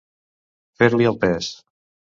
Fer-li el pes.